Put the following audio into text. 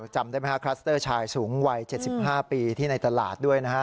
จำได้ไหมฮะคลัสเตอร์ชายสูงวัย๗๕ปีที่ในตลาดด้วยนะฮะ